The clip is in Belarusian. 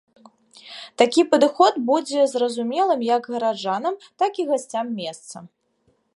Такі падыход будзе зразумелым як гараджанам, так і гасцям месца.